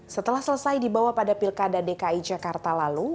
setelah selesai dibawa pada pilkada dki jakarta lalu